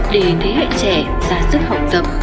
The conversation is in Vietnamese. để thế hệ trẻ ra sức học tập